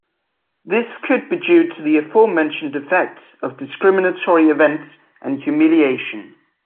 This could be due to the aforementioned effects of discriminatory events and humiliation.